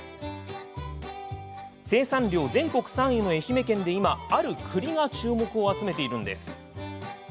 生産量全国３位の愛媛県で今、あるくりが注目を集めているんです。